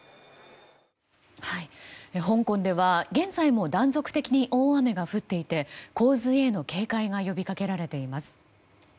香港では現在も断続的に大雨が降っていて洪水への警戒が呼びかけられています。